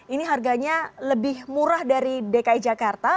ini harganya lebih murah dari dki jakarta